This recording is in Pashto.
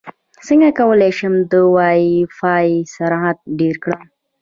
څنګه کولی شم د وائی فای سرعت ډېر کړم